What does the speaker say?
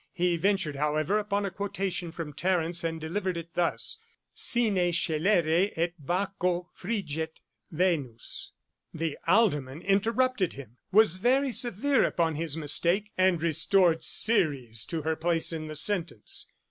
He ventured, however, upon a quotation from Terence, and delivered it thus, Sine Scelere et Baccho friget venus. The Alderman interrupted him, was very severe upon his mistake, and restored Ceres to her place in the sentence.